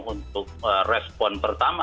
untuk respon pertama